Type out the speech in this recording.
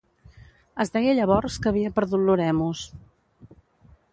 Es deia llavors que havia perdut l'oremus.